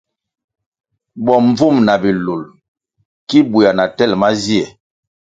Bombvúm na bilul ki buéah na tel mazie.